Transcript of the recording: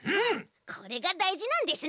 これがだいじなんですね。